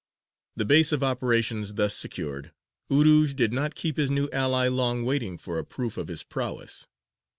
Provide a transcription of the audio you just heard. The base of operations thus secured, Urūj did not keep his new ally long waiting for a proof of his prowess.